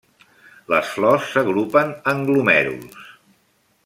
Les flors s'agrupen en glomèruls.